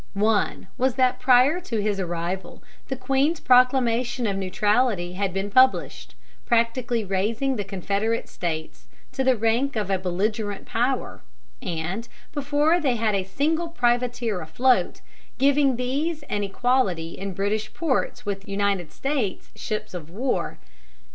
One was that, prior to his arrival, the Queen's proclamation of neutrality had been published, practically raising the Confederate States to the rank of a belligerent power, and, before they had a single privateer afloat, giving these an equality in British ports with United States ships of war.